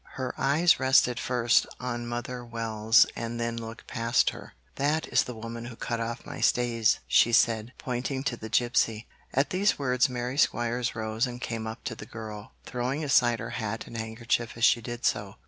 Her eyes rested first on Mother Wells and then looked past her. 'That is the woman who cut off my stays,' she said, pointing to the gipsy. At these words Mary Squires rose and came up to the girl, throwing aside her hat and handkerchief as she did so.